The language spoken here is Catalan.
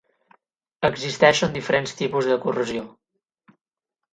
Existeixen diferents tipus de corrosió.